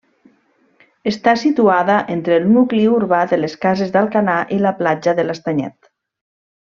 Està situada entre el nucli urbà de les Cases d'Alcanar i la platja de l'Estanyet.